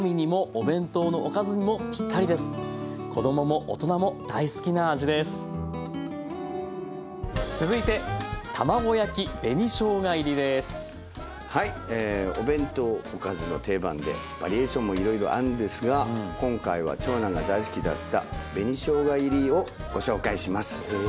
お弁当おかずの定番でバリエーションもいろいろあるんですが今回は長男が大好きだった紅しょうが入りをご紹介します。